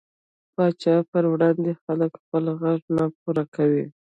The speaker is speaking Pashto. پاچا پر وړاندې خلک خپل غږ نه پورته کوي .